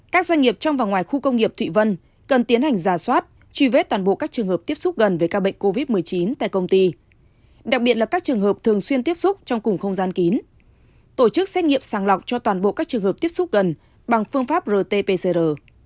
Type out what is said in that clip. các doanh nghiệp trong và ngoài khu công nghiệp thụy vân cần tiến hành giả soát truy vết toàn bộ các trường hợp tiếp xúc gần với ca bệnh covid một mươi chín tại công ty đặc biệt là các trường hợp thường xuyên tiếp xúc trong cùng không gian kín tổ chức xét nghiệm sàng lọc cho toàn bộ các trường hợp tiếp xúc gần bằng phương pháp rt pcr